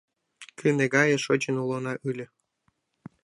Кыне гае шочын улына ыле